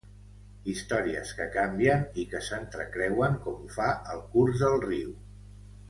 Històries que canvien i que s'entrecreuen com ho fa el curs del riu.